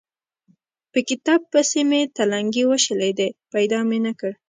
په کتاب پسې مې تلنګې وشلېدې؛ پيدا مې نه کړ.